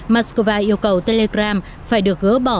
moscow yêu cầu telegram phải được gỡ bỏ